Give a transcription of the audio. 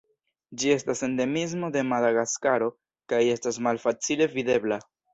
Ĝi estas endemismo de Madagaskaro, kaj estas malfacile videbla.